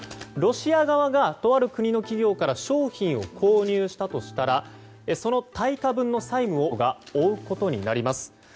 ロシア側がとある国の企業から商品を購入したとしたらその対価分の債務をロシア側の企業が負うことになります。